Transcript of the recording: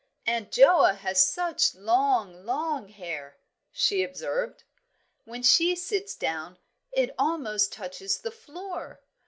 "Aunt Joa has such long, long hair," she observed. "When she sits down it almost touches the floor.